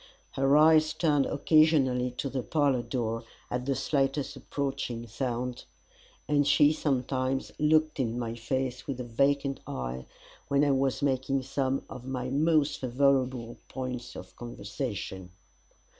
Her eyes turned occasionally to the parlour door at the slightest approaching sound, and she sometimes looked in my face with a vacant eye, when I was making some of my most favourable points of conversation.